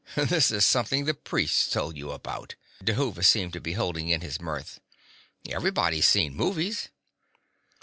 "This is something the priests told you about?" Dhuva seemed to be holding in his mirth. "Everybody's seen movies."